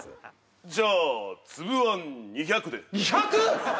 じゃあつぶあん２００で２００！？